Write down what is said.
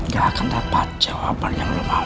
gak akan dapat jawaban yang lu mau